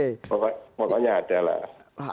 pokoknya ada lah